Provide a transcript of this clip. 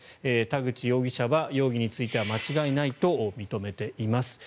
田口容疑者は容疑については間違いないと認めています。